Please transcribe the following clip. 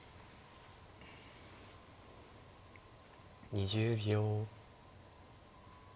２０秒。